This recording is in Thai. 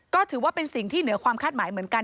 ก็ถือว่าเป็นสิ่งที่เหนือความคาดหมายเหมือนกัน